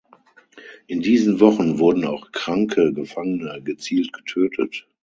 In diesen Wochen wurden auch kranke Gefangene gezielt getötet.